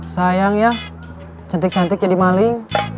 sayang ya cantik cantik jadi maling